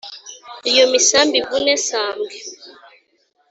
Iyo misambi ivune sambwe